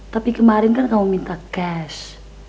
tapi kemarin kan kamu minta cash